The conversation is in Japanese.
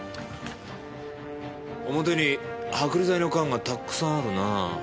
表に剥離剤の缶がたくさんあるなあ。